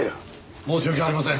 申し訳ありません。